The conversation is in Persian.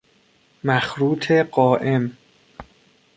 مخروط قائم